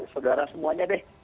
segara semuanya deh